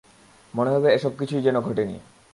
মনে হবে, এসব কিছুই যেন ঘটেনি।